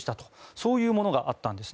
そういうものがあったんです。